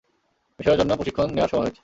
মিশনের জন্য প্রশিক্ষণ নেয়ার সময় হয়েছে।